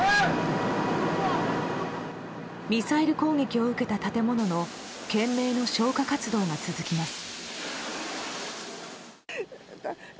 ミサイル攻撃を受けた建物の懸命の消火活動が続きます。